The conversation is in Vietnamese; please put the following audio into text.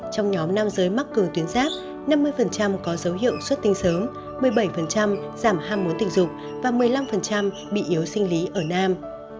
trong nhóm nam giới mắc cường tuyến giáp năm mươi có dấu hiệu xuất tinh sớm một mươi bảy giảm ham muốn tình dục và một mươi năm bị yếu sinh lý ở nam